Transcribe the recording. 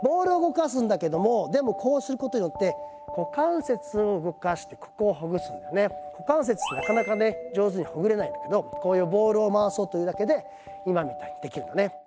でもこうすることによって股関節ってなかなかね上手にほぐれないんだけどこういうボールを回そうというだけで今みたいにできるのね。